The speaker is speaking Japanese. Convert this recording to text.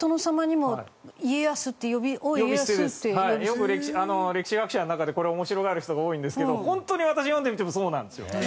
よく歴史学者の中でこれ面白がる人が多いんですけどホントに私読んでみてもそうなんですよ。